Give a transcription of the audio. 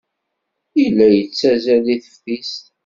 Yella la yettazzal deg teftist.